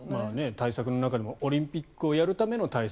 対策の中でもオリンピックをやるための対策。